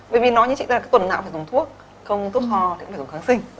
bởi vì nói như chị ta là tuần nào phải dùng thuốc không thuốc ho thì cũng phải dùng kháng sinh